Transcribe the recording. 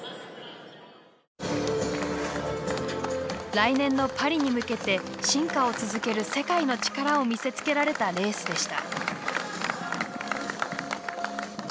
来年のパリに向けて進化を続ける世界の力を見せつけられたレースでした。